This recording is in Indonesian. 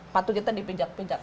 patu kita dipinjak pinjak